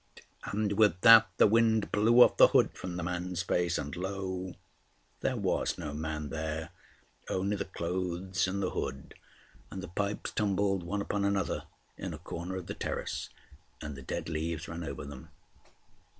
And with that the wind blew off the hood from the man's face, and, lo! there was no man there, only the clothes and the hood and the pipes tumbled one upon another in a corner of the terrace, and the dead leaves ran over them.